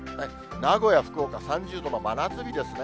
名古屋、福岡、３０度の真夏日ですね。